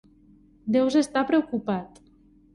Deus estar preocupat.